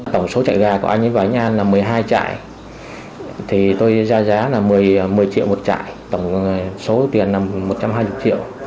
tổng số chạy gà của anh ấy vào nhà là một mươi hai chạy tôi ra giá là một mươi triệu một chạy tổng số tiền là một trăm hai mươi triệu